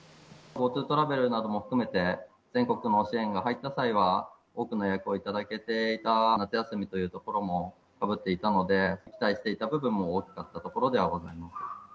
ＧｏＴｏトラベルなども含めて、全国の支援が入った際は、多くの予約を頂けて、夏休みというところもかぶっていたので、期待していた部分も大きかったところではございます。